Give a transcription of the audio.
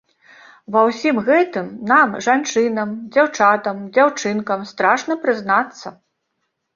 Ва ўсім гэтым нам, жанчынам, дзяўчатам, дзяўчынкам, страшна прызнацца.